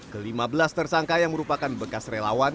kelima belas tersangka yang merupakan bekas relawan